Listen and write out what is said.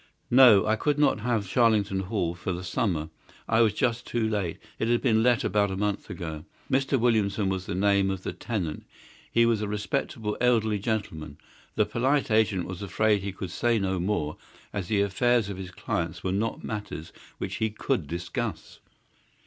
No, I could not have Charlington Hall for the summer. I was just too late. It had been let about a month ago. Mr. Williamson was the name of the tenant. He was a respectable elderly gentleman. The polite agent was afraid he could say no more, as the affairs of his clients were not matters which he could discuss.